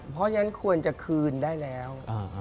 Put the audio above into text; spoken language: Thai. เพราะฉะนั้นควรจะคืนได้แล้ว